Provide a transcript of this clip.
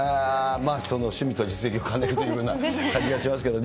その趣味と実益を兼ねてるというような感じがしますけど。